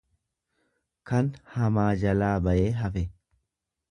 kan hamaa jalaa bayee hafe.